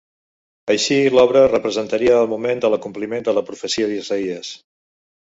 Així l'obra representaria el moment de l'acompliment de la profecia d'Isaïes.